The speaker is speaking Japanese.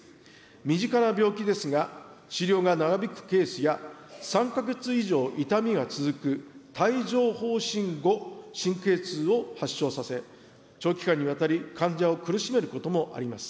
身近な病気ですが、治療が長引くケースや、３か月以上痛みが続く帯状ほう疹後神経痛を発症させ、長期間にわたり、患者を苦しめることもあります。